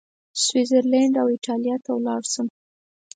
سویس زرلینډ او ایټالیې ته ولاړ شم.